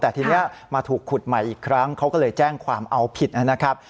แต่ทีนี้มาถูกขุดใหม่อีกครั้งเขาก็เลยแจ้งความเอาผิดนะครับ